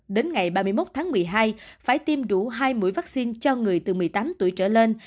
đến ngày ba mươi một tháng một mươi hai phải tiêm đủ hai mũi vaccine cho người từ một mươi tám tuổi trở lên